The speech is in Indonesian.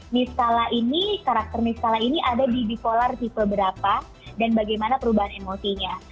niskala ini karakter niskala ini ada di bipolar tipe berapa dan bagaimana perubahan emosinya